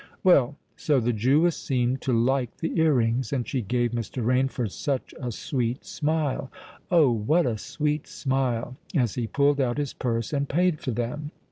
Well, so the Jewess seemed to like the ear rings; and she gave Mr. Rainford such a sweet smile—Oh! what a sweet smile—as he pulled out his purse and paid for them.